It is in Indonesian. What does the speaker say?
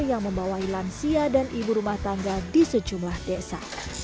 yang membawahi lansia dan ibu rumah tangga di sejumlah desa